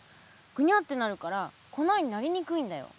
ぐにゃってなるから粉になりにくいんだよ。